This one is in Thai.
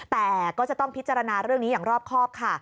แต่ก็จะต้องพิจารณาเรื่องนี้อย่างรอบครอบค่ะ